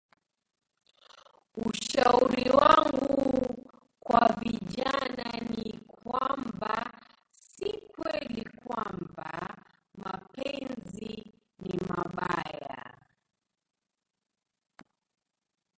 Ushauri wangu kwa vijana ni kwamba si kweli kwamba mapenzi ni mabaya